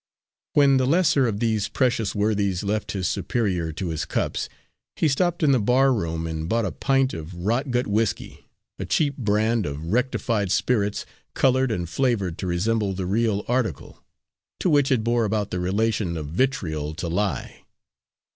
When the lesser of these precious worthies left his superior to his cups, he stopped in the barroom and bought a pint of rotgut whiskey a cheap brand of rectified spirits coloured and flavoured to resemble the real article, to which it bore about the relation of vitriol to lye.